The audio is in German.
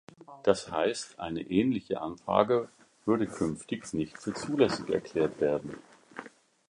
Das heißt, eine ähnliche Anfrage würde künftig nicht für zulässig erklärt werden.